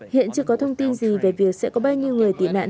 hiện chưa có thông tin gì về việc sẽ có bao nhiêu người tị nạn